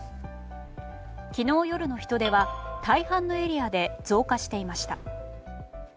昨日夜の人出は大半のエリアで増加していました。